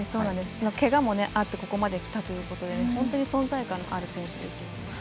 けがもあってここまできたということで本当に存在感のある選手ですね。